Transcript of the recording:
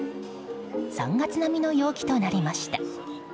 ３月並みの陽気となりました。